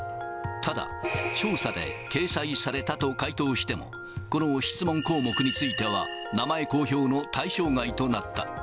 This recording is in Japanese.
ただ、調査で、掲載されたと回答しても、この質問項目については名前公表の対象外となった。